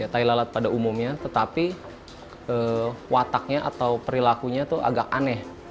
tai lalat pada umumnya tetapi wataknya atau perilakunya itu agak aneh